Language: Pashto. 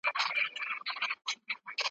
سرترنوکه ځان په زغره کي پېچلې ,